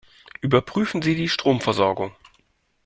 Überprüfen Sie die Stromversorgung.